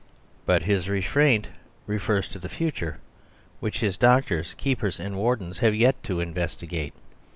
But his restraint refers to the future, which his doctors, keepers, and wardens have yet to investigate.